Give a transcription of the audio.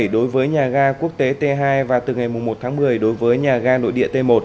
đối với nhà ga quốc tế t hai và từ ngày một tháng một mươi đối với nhà ga nội địa t một